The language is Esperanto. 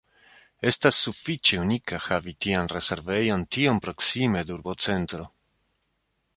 Estas sufiĉe unika havi tian rezervejon tiom proksime de urbocentro.